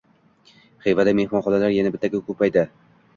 Xivada mehmonxonalar yana bittaga koʻpaydi